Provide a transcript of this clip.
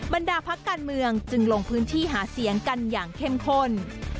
บรรดาพักการเมืองจึงลงพื้นที่หาเสียงกันอย่างเข้มข้น